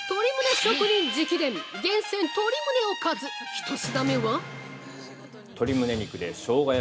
一品目は？